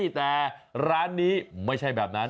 แต่ร้านนี้ไม่ใช่แบบนั้น